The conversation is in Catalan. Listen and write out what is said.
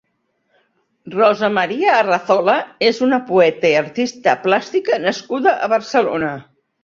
Rosa Maria Arrazola és una poeta i artista plàstica nascuda a Barcelona.